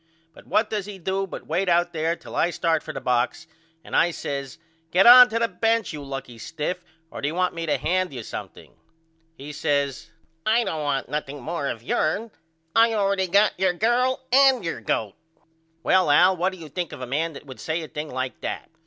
But what does he do but wait out there till I start for the box and I says Get on to the bench you lucky stiff or do you want me to hand you something? He says I don't want nothing more of yourn. I allready got your girl and your goat. Well Al what do you think of a man that would say a thing like that?